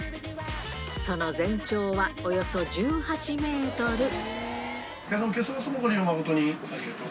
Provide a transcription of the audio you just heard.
その全長はおよそ１８メートル。